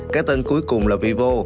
cái tên cuối cùng là vivo